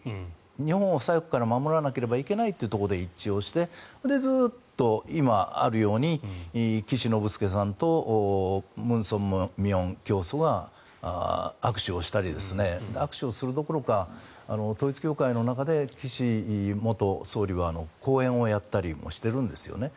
日本を左翼から守らなければいけないというところで一致をしてずっと今あるように岸信介さんとムン・ソンミョン教祖が握手をしたり握手をするどころか統一教会の中で岸元総理は講演をやったりもしているんですよね。